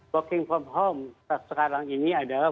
working from home sekarang ini adalah